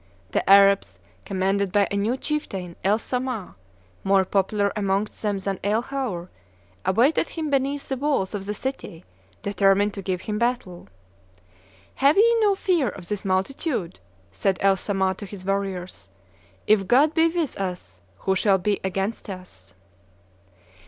The Arabs, commanded by a new chieftain, El Samah, more popular amongst them than El Haur, awaited him beneath the walls of the city determined to give him battle. "Have ye no fear of this multitude," said El Samah to his warriors; "if God be with us, who shall be against us?